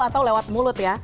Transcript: atau lewat mulut